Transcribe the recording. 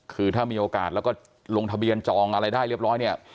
คือถ้ามีโอกาสแล้วก็ลงทะเบียนจองอะไรได้เรียบร้อยเนี่ย